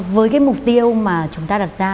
với mục tiêu mà chúng ta đặt ra